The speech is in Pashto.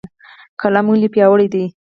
قلم ولې پیاوړی دی؟